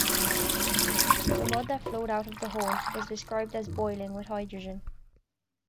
The mud that flowed out of the hole was described as "boiling" with hydrogen.